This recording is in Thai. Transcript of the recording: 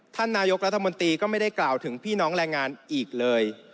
ท่านนายกรัฐมนตรีก็ไม่ได้กล่าวถึงพี่น้องแรงงานอีกเลย